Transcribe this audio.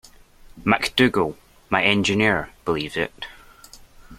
MacDougall, my engineer, believes it.